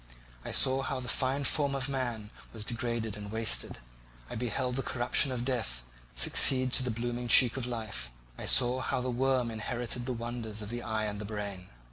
I saw how the fine form of man was degraded and wasted; I beheld the corruption of death succeed to the blooming cheek of life; I saw how the worm inherited the wonders of the eye and brain.